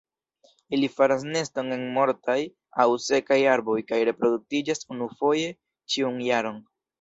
Ili faras neston en mortaj aŭ sekaj arboj kaj reproduktiĝas unufoje ĉiun jaron.